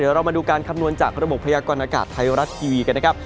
เรามาดูการคำนวณจากระบบพยากรณากาศไทยรัฐทีวีกันนะครับ